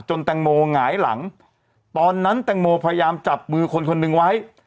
แตงโมหงายหลังตอนนั้นแตงโมพยายามจับมือคนคนหนึ่งไว้